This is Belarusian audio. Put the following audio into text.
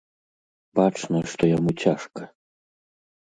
Бачна, што яму цяжка.